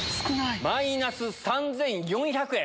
マイナス３４００円。